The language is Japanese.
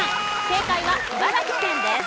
正解は茨城県です。